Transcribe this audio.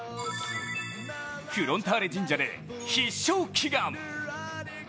フロンターレ神社で必勝祈願！